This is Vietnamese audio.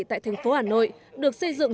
tại thành phố hà nội được xây dựng